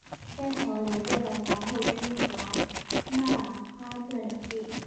该桥连接了皇后区和曼哈顿两地。